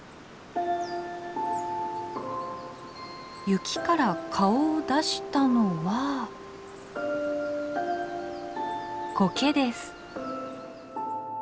雪から顔を出したのはコケです。